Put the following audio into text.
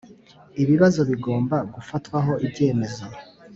Ibibazo bigomba gufatwaho ibyemezo